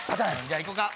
じゃあ行こうか！